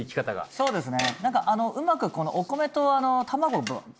そうですよね